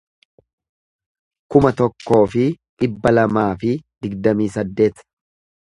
kuma tokkoo fi dhibba lamaa fi digdamii saddeet